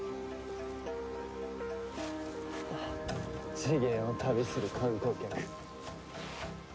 次元を旅する観光客。